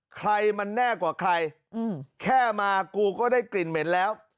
ใครมันแน่กว่าใครแค่มากูก็ได้กลิ่นเหม็นแล้ว